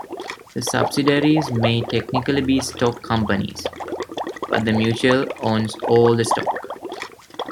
The subsidiaries may technically be stock companies, but the mutual owns all the stock.